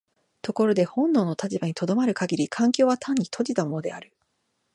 ところで本能の立場に止まる限り環境は単に閉じたものである。